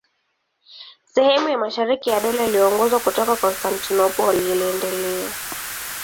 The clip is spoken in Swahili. Sehemu ya mashariki ya Dola iliyoongozwa kutoka Konstantinopoli iliendelea.